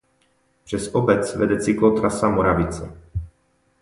Přes obec vede cyklotrasa Moravice.